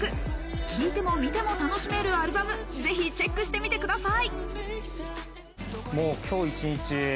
聴いても見ても楽しめるアルバム、ぜひチェックしてみてください。